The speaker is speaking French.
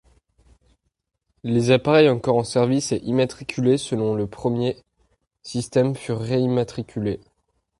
Les appareils encore en service et immatriculés selon le premier système furent réimmatriculés.